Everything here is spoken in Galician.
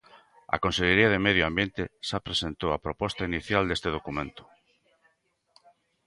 A Consellería de Medio Ambiente xa presentou a proposta inicial deste documento.